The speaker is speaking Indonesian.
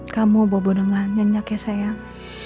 kamu bobo dengan nyenyak ya sayang